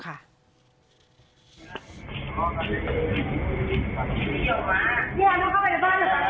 กลับบ้านไปไปจบ